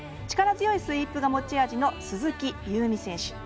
力強いスイープが持ち味の鈴木夕湖選手。